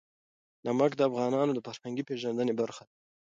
نمک د افغانانو د فرهنګي پیژندنې برخه ده.